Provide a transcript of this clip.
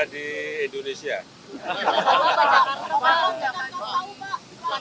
rencananya lembaran kemarin kemana pak